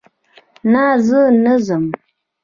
نه، زه نه ځم